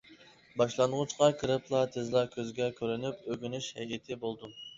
باشلانغۇچقا كىرىپلا تېزلا كۆزگە كۆرۈنۈپ ئۆگىنىش ھەيئىتى بولدۇم.